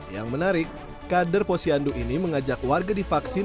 yang menarik kader posyandu ini mengajak warga divaksin